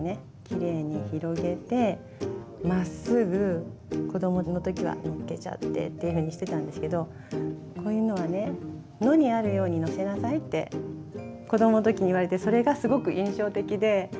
きれいに広げてまっすぐ子どもの時はのっけちゃってっていうふうにしてたんですけどって子どもの時に言われてそれがすごく印象的で。